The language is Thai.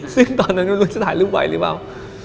ซึ่งตอนนั้นไม่รู้จะถ่ายรูปไหวหรือเปล่า